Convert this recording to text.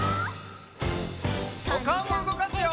おかおもうごかすよ！